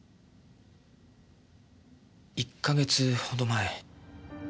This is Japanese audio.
１か月ほど前。